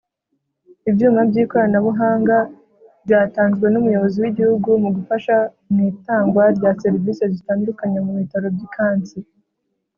ibyuma by ikoranabuhanga byatanzwe numuyobozi w’igihugu mugufasha mwitangwa rya serivisi zitandukanye mubitaro by’ikansi.